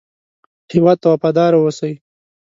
هېواد ته وفاداره اوسئ